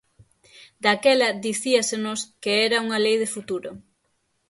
Daquela dicíasenos que era unha lei de futuro.